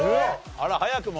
あら早くも？